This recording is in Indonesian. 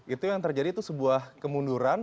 itu yang terjadi itu sebuah kemunduran